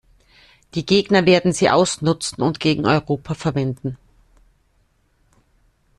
Die Gegner werden sie ausnutzen und gegen Europa verwenden.